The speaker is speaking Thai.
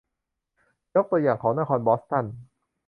ยกตัวอย่างของนครบอสตัน